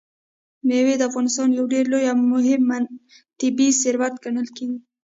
مېوې د افغانستان یو ډېر لوی او مهم طبعي ثروت ګڼل کېږي.